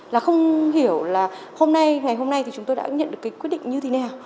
là không hiểu là hôm nay ngày hôm nay thì chúng tôi đã nhận được cái quyết định như thế nào